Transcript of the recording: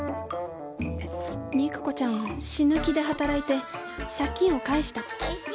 肉子ちゃんは死ぬ気で働いて借金を返した。